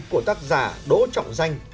của tác giả đỗ trọng danh